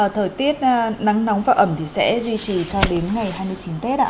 thời tiết nắng nóng và ẩm thì sẽ duy trì cho đến ngày hai mươi chín tết ạ